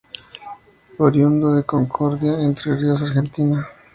Oriundo de Concordia, Entre Ríos, Argentina.